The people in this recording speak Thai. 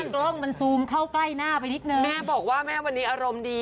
กล้องมันซูมเข้าใกล้หน้าไปนิดนึงแม่บอกว่าแม่วันนี้อารมณ์ดี